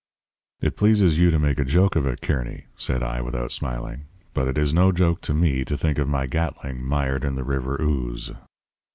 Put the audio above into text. "'It pleases you to make a joke of it, Kearny,' said I, without smiling. 'But it is no joke to me to think of my Gatling mired in the river ooze.'